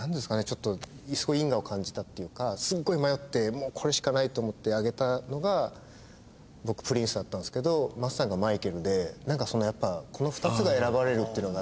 ちょっとすごい因果を感じたっていうかすごい迷ってもうこれしかないと思って挙げたのが僕プリンスだったんですけど松さんがマイケルでなんかやっぱこの２つが選ばれるっていうのが。